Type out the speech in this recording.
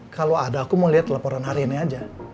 kalo ada aku mau liat laporan hari ini aja